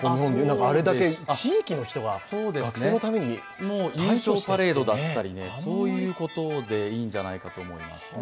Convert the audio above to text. あれだけ地域の人が、学生のために優勝パレードだったり、そういうことでいいんじゃないかと思いますね。